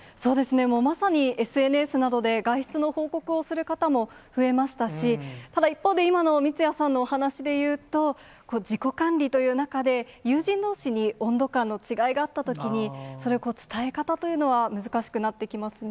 もうまさにＳＮＳなどで外出の報告をする方も増えましたし、ただ一方で、今の三屋さんのお話しでいうと、自己管理という中で、友人どうしに温度感の違いがあったときに、伝え方というのは難しくなってきますね。